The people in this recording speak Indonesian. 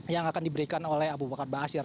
yang akan diberikan oleh abu bakar ba'asyir